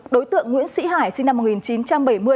đối tượng nguyễn sĩ hải sinh năm một nghìn chín trăm bảy mươi